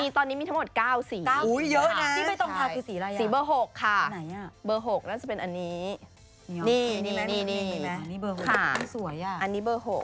ตอนนี้มีทั้งหมด๙สีสีเบอร์๖ค่ะนั่นจะเป็นอันนี้อันนี้ค่ะอันนี้เบอร์๖